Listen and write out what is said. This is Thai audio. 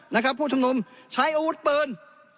นะครับผู้ชมนุมใช้อาวุธเปิล